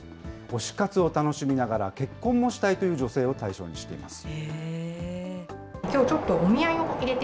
推し活を楽しみながら、結婚もしたいという女性を対象にしています。